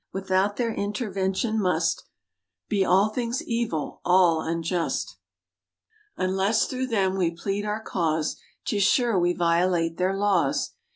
Without their intervention must Be all things evil, all unjust. Unless through them we plead our cause, 'Tis sure we violate their laws.